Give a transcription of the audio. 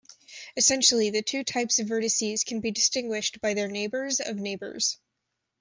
Essentially, the two types of vertices can be distinguished by their neighbors of neighbors.